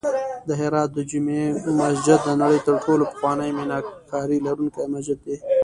د هرات د جمعې مسجد د نړۍ تر ټولو پخوانی میناکاري لرونکی مسجد دی